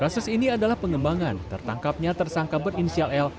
kasus ini adalah pengembangan tertangkapnya tersangka berinisial l